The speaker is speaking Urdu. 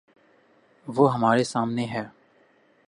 وہ ہمارے سامنے ہے۔